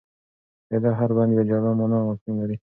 د ده هر بند یوه جلا مانا او مفهوم لري.